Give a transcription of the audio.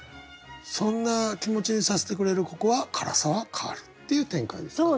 そんな気持ちにさせてくれるここは涸沢カールっていう展開ですか。